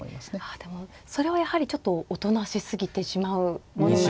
ああでもそれはやはりちょっとおとなしすぎてしまうものなんですか。